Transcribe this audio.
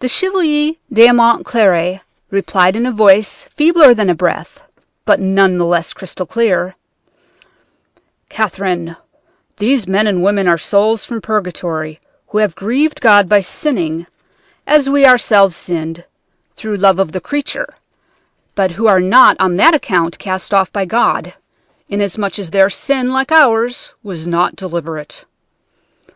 "The Chevalier d'Aumont Cléry replied in a voice feebler than a breath, but none the less crystal clear: "'Catherine, these men and women are souls from purgatory who have grieved God by sinning as we ourselves sinned through love of the creature, but who are not on that account cast off by God, inasmuch as their sin, like ours, was not deliberate.